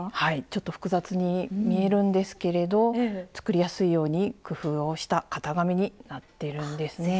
ちょっと複雑に見えるんですけれど作りやすいように工夫をした型紙になってるんですね。